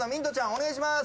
お願いします。